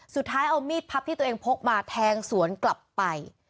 สุดท้ายเอามีดพับที่ตัวเองพกมาแทงสวนกลับไป